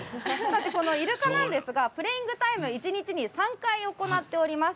このイルカなんですが、プレイングタイム、１日に３回行っております。